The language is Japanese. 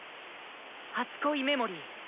「初恋メモリー」